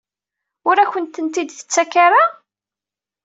Ur akent-tent-id-tettak ara?